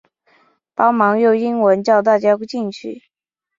帮忙用英文叫大家进去